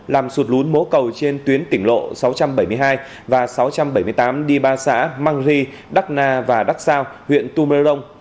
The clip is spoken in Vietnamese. làm sụt lún mố cầu trên tuyến tỉnh lộ sáu trăm bảy mươi hai và sáu trăm bảy mươi tám đi ba xã mangri đắc na và đắc sao huyện tumorong